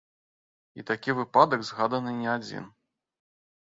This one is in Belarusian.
І такі выпадак згаданы не адзін.